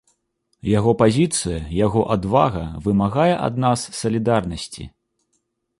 Яго пазіцыя, яго адвага вымагае ад нас салідарнасці.